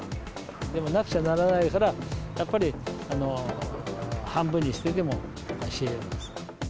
でもなくちゃならないから、やっぱり半分にしてでも仕入れます。